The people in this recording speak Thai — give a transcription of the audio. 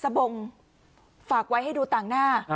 บงฝากไว้ให้ดูต่างหน้า